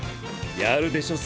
やるでしょ